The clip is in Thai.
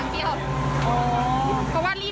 ไปเลือกหยิบถังแก๊สมา